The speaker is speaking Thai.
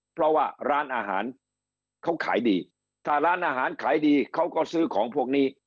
เพราะว่าร้านอาหารเขาขายดีถ้าร้านอาหารขายดีเขาก็ซื้อของพวกนี้